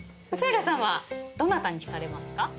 松村さんはどなたに引かれますか？